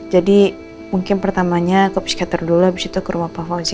jadi mungkin pertamanya ke psikiater dulu abis itu ke rumah pak fauzi